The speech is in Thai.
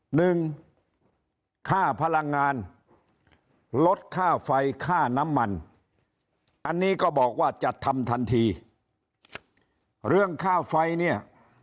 หนึ่งค่าพลังงานลดค่าไฟค่าน้ำมันอันนี้ก็บอกว่าจะทำทันทีเรื่องค่าไฟเนี่ย